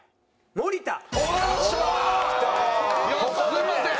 すいません。